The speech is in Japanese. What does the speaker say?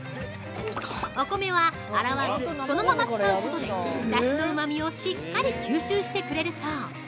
◆お米は洗わずそのまま使うことでだしのうまみをしっかり吸収してくれるそう。